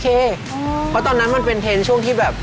เพราะตอนนั้นมันเป็นเทรนด์ช่วงที่แบบ